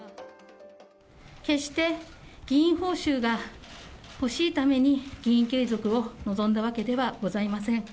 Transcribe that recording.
決して議員報酬が欲しいために議員継続を望んだわけではございません。